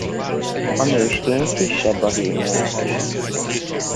A nőstény kisebb a hímnél.